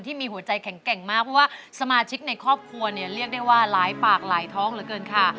ที่มีหัวใจแข็งแกร่งมากเพราะว่าสมาชิกในครอบครัวเนี่ยเรียกได้ว่าหลายปากหลายท้องเหลือเกินค่ะ